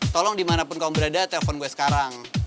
tolong dimanapun kamu berada telepon gue sekarang